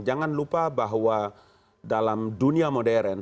jangan lupa bahwa dalam dunia modern